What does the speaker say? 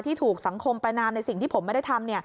ถูกสังคมประนามในสิ่งที่ผมไม่ได้ทำ